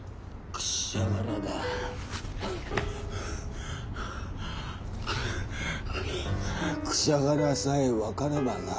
「くしゃがら」さえ分かればなァ。